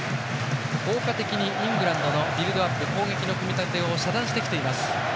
効果的にイングランドのビルドアップ、攻撃の組み立てを遮断してきています。